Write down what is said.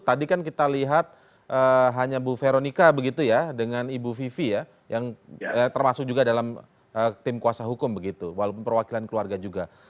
tadi kan kita lihat hanya bu veronica begitu ya dengan ibu vivi ya yang termasuk juga dalam tim kuasa hukum begitu walaupun perwakilan keluarga juga